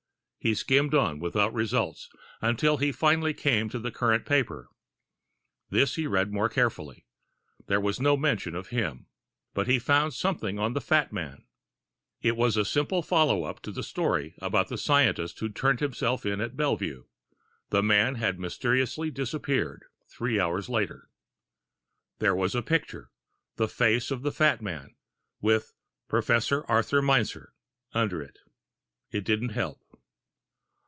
He skimmed on, without results, until he finally came to the current paper. This he read more carefully. There was no mention of him. But he found something on the fat man. It was a simple followup to the story about the scientist who'd turned himself in at Bellevue the man had mysteriously disappeared, three hours later. And there was a picture the face of the fat man, with "Professor Arthur Meinzer" under it. It didn't help.